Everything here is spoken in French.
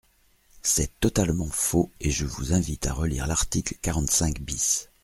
C’est totalement faux et je vous invite à relire l’article quarante-cinq bis.